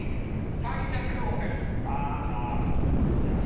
最弱王です。